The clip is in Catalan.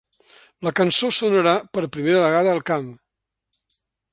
La cançó sonarà per primera vegada al camp.